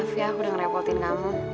maaf ya aku udah ngerepotin kamu